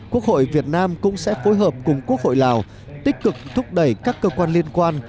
quốc hội việt nam cũng sẽ phối hợp cùng quốc hội lào tích cực thúc đẩy các cơ quan liên quan